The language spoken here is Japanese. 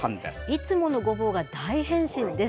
いつものごぼうが大変身です。